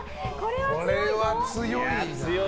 これは強いぞ！